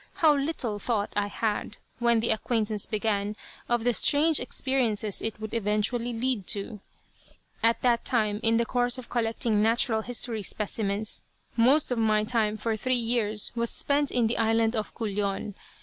How little thought I had, when the acquaintance began, of the strange experiences it would eventually lead to! At that time, in the course of collecting natural history specimens, most of my time for three years was spent in the island of Culion.